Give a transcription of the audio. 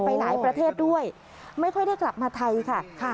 หลายประเทศด้วยไม่ค่อยได้กลับมาไทยค่ะ